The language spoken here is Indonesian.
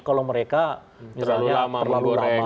kalau mereka terlalu lama menggoreng